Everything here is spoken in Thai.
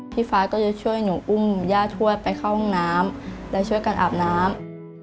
พี่ฟ้าก็จะช่วยหนูอุ้มย่าทวดไปเข้าห้องน้ำและช่วยกันอาบน้ำ